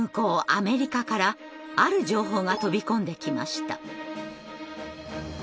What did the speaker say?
アメリカからある情報が飛び込んできました。